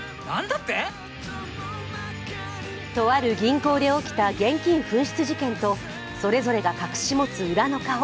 とある銀行で起きた現金紛失事件とそれぞれが隠し持つ裏の顔。